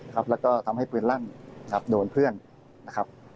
แล้วก็ทำให้ปืนลั่นนะครับโดนเพื่อนนะครับ